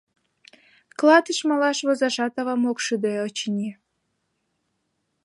Клатыш малаш возашат авам ок шӱдӧ, очыни.